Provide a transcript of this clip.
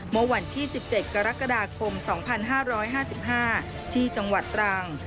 เมื่อวันที่๑๗กรกฎาคม๒๕๕๕ที่จังหวัดตรัง